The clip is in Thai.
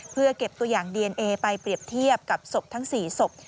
เพื่อเก็บตัวอย่างดีเอนเอไปเปรียบเทียบกับศพทั้ง๔ศพ